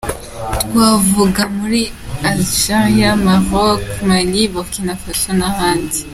Twavuga muri Algeria, Maroc, Mali, Burkina Faso n’ahandi.